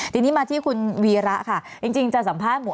ทีนี้มาที่คุณวีระค่ะ